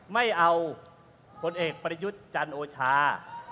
ไม่เอาผลเอกประยุทธ์จันโอชา